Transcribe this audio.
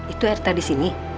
itu erta disini